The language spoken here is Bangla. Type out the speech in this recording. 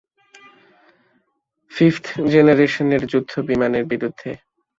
ফিফথ জেনারেশনের যুদ্ধ বিমানের বিরুদ্ধে।